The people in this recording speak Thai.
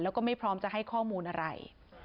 แล้วก็ไม่พร้อมจะให้ข้อมูลอะไร